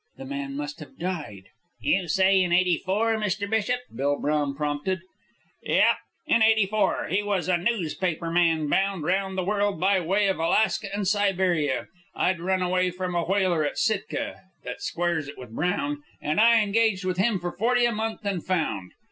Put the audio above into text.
The man must have died." "You say in '84, Mr. Bishop?" Bill Brown prompted. "Yep, in '84. He was a newspaper man, bound round the world by way of Alaska and Siberia. I'd run away from a whaler at Sitka, that squares it with Brown, and I engaged with him for forty a month and found.